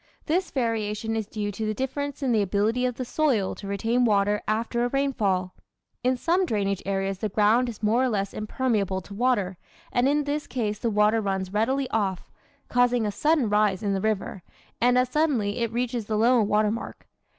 This variation is due to the difference in the ability of the soil to retain water after a rainfall. In some drainage areas the ground is more or less impermeable to water, and in this case the water runs readily off, causing a sudden rise in the river; and as suddenly it reaches the low water mark.